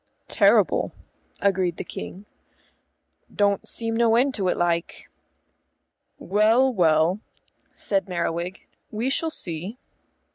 "Terrible," agreed the King. "Don't seem no end to it, like." "Well, well," said Merriwig, "we shall see."